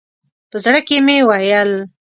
په زړه کې مې ویل.